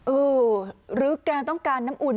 เออหรือแกต้องการน้ำอุ่น